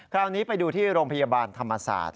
คราวนี้ไปดูที่โรงพยาบาลธรรมศาสตร์